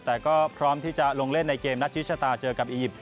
แต่ก็พร้อมที่จะลงเล่นในเกมนัดชิชะตาเจอกับอียิปต์